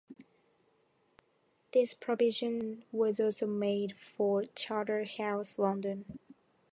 This provision was also made for Charterhouse, London.